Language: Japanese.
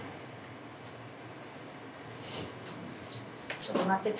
ちょっと待ってて。